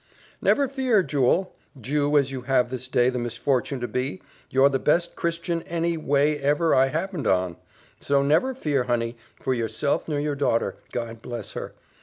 "Never fear, jewel! Jew as you have this day the misfortune to be, you're the best Christian any way ever I happened on! so never fear, honey, for yourself nor your daughter, God bless her!